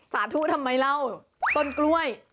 สาธุทำไมเล่าต้นกล้วย